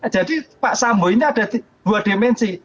jadi pak sambo ini ada dua dimensi